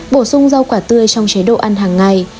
bổ sung rau quả tươi trong chế độ ăn hàng ngày